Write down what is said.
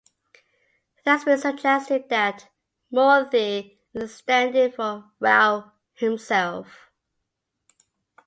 It has been suggested that Moorthy is a stand-in for Rao himself.